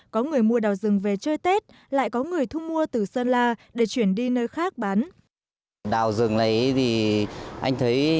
có người mua đào rừng về chơi tết lại có người thu mua từ sơn la để chuyển đi nơi khác bán